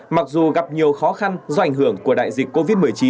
mặc dù gặp nhiều khó khăn do ảnh hưởng của đại dịch covid một mươi chín